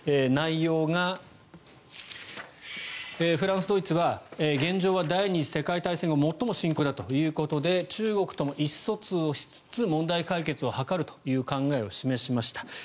内容がフランス、ドイツは現状は第２次世界大戦後最も深刻だということで中国とも意思疎通をしつつ問題解決を図るという考えを示しました。